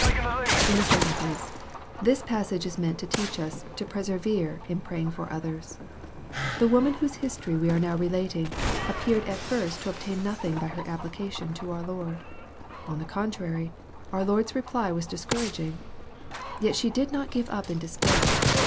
In the second place, this passage is meant to teach us to persevere in praying for others. The woman whose history we are now reading, appeared at first to obtain nothing by her application to our Lord. On the contrary, our Lord's reply was discouraging. Yet she did not give up in despair.